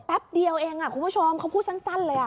แป๊บเดียวเองอ่ะคุณผู้ชมเขาพูดสั้นเลยอ่ะ